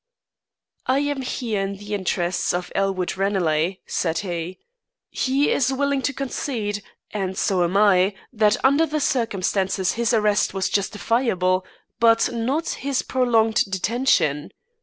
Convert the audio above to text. "I am here in the interests of Elwood Ranelagh," said he. "He is willing to concede, and so am I, that under the circumstances his arrest was justifiable, but not his prolonged detention.